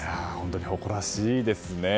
誇らしいですね。